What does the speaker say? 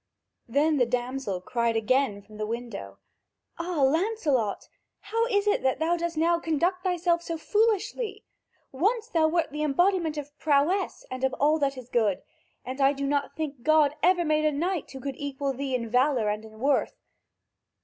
Then the damsel cried again from the window: "Ah, Lancelot, how is it that thou dost now conduct thyself so foolishly? Once thou wert the embodiment of prowess and of all that is good, and I do not think God ever made a knight who could equal thee in valour and in worth.